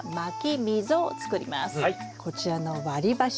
こちらの割り箸。